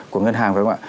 của ngân hàng